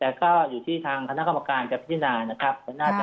แต่ก็อยู่ที่ทางคณะกรรมการจะพินานะครับ